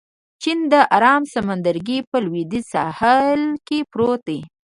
چین د ارام سمندرګي په لوېدیځ ساحل کې پروت دی.